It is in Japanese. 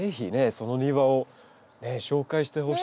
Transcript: その庭を紹介してほしいですね。